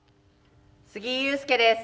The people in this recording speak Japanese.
杉井勇介です。